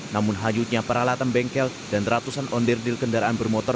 namun hajutnya peralatan bengkel dan ratusan ondir dil kendaraan bermotor